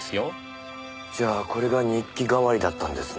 じゃあこれが日記代わりだったんですね。